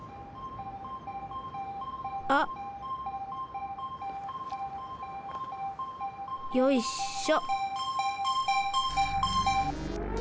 あっ。よいしょ。